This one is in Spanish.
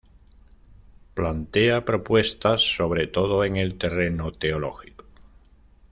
Plantea propuestas sobre todo en el terreno teológico.